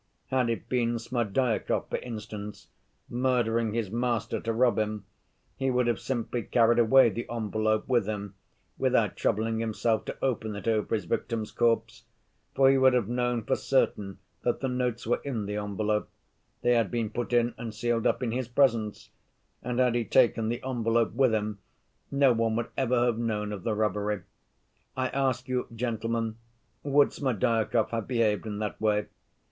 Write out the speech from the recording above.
Had it been Smerdyakov, for instance, murdering his master to rob him, he would have simply carried away the envelope with him, without troubling himself to open it over his victim's corpse, for he would have known for certain that the notes were in the envelope—they had been put in and sealed up in his presence—and had he taken the envelope with him, no one would ever have known of the robbery. I ask you, gentlemen, would Smerdyakov have behaved in that way?